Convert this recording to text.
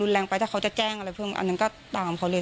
แรงไปถ้าเขาจะแจ้งอะไรเพิ่มอันนั้นก็ตามเขาเลย